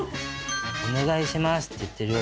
「お願いします」って言ってるよ